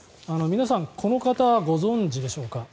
皆さん、この方ご存じでしょうか？